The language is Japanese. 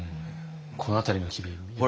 この辺りの機微。